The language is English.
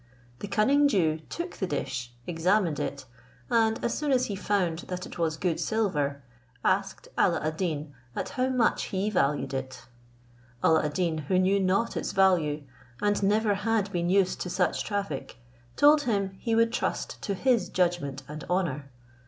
The cunning Jew took the dish, examined it, and as soon as he found that it was good silver, asked Alla ad Deen at how much he valued it. Alla ad Deen, who knew not its value, and never had been used to such traffic, told him he would trust to his judgment and honour.